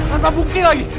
gak ada bukti lagi